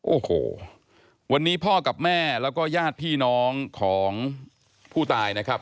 โอ้โหวันนี้พ่อกับแม่แล้วก็ญาติพี่น้องของผู้ตายนะครับ